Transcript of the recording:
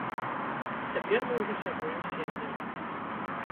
Цяпер мы ўжо сябруем сем'ямі.